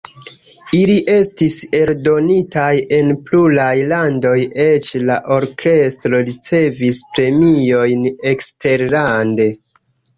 Ili estis eldonitaj en pluraj landoj, eĉ la orkestro ricevis premiojn eksterlande.